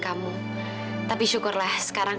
kamu udah sadar juga